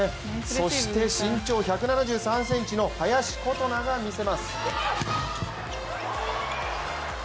そして身長１７３ｃｍの林琴奈がみせます。